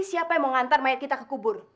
siapa yang mau ngantar mayat kita ke kubur